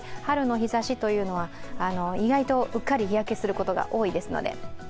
春の日ざしは意外とうっかり日焼けすることが多いですので。